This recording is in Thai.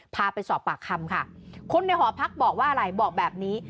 พาไปสอบปากคำค่ะคนในหอพักบอกว่าอะไรบอกแบบนี้